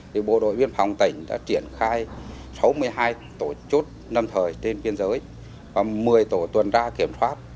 thì bộ đội biên phòng tỉnh đã triển khai sáu mươi hai tổ chốt năm thời trên biên giới và một mươi tổ tuần tra kiểm soát